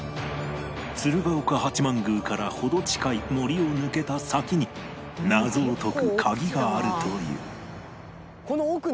鶴岡八幡宮から程近い森を抜けた先に謎を解く鍵があるという